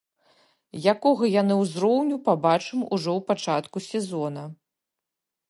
Якога яны ўзроўню, пабачым ужо ў пачатку сезона.